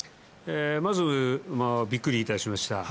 まず、びっくりいたしました。